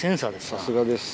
さすがです。